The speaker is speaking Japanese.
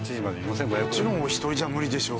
もちろんお一人じゃ無理でしょ。